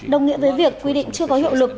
đồng nghĩa với việc quy định chưa có hiệu lực